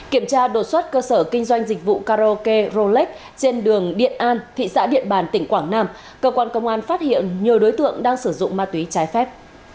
kiểm tra đột xuất cơ sở kinh doanh dịch vụ karaoke rolex trên đường điện an thị xã điện bàn tỉnh quảng nam cơ quan công an phát hiện nhiều đối tượng đang sử dụng ma túy trái phép